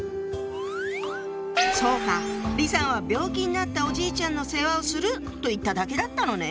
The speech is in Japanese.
そうか李さんは「病気になったおじいちゃんの世話をする」と言っただけだったのね。